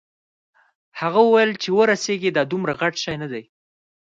هغه وویل چې ورسیږې دا دومره غټ شی نه دی.